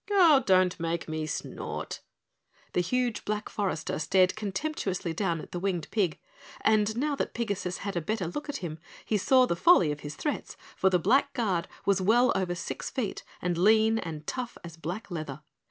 "Oh, don't make me snort!" The huge Black Forester stared contemptuously down at the winged pig, and now that Pigasus had a better look at him he saw the folly of his threats, for the Black Guard was well over six feet and lean and tough as black leather.